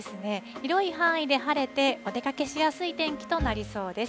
広い範囲で晴れてお出かけしやすい天気となりそうです。